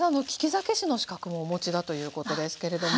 酒師の資格もお持ちだということですけれども。